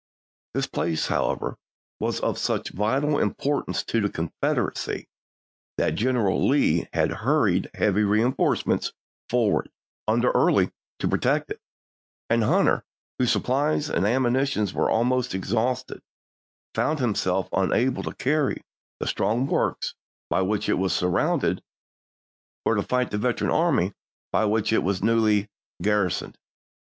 This place, however, was of such vital importance to the Confederacy that General Lee had hurried heavy reinforcements for ward, under Early, to protect it; and Hunter, whose supplies and ammunition were almost ex hausted, found himself unable to carry the strong works by which it was surrounded or to fight the veteran army by which it was newly garrisoned.